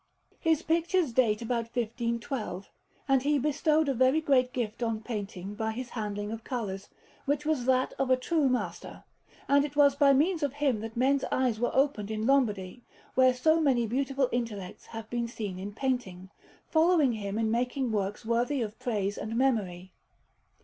His pictures date about 1512; and he bestowed a very great gift on painting by his handling of colours, which was that of a true master; and it was by means of him that men's eyes were opened in Lombardy, where so many beautiful intellects have been seen in painting, following him in making works worthy of praise and memory.